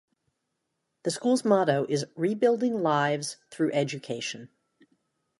The school's motto is Rebuilding Lives Through Education.